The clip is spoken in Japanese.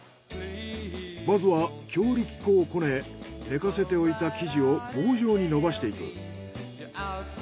まずは強力粉をこね寝かせておいた生地を棒状に伸ばしていく。